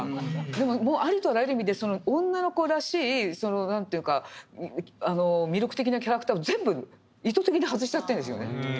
でもありとあらゆる意味で女の子らしい何ていうのか魅力的なキャラクターを全部意図的に外しちゃってるんですよね。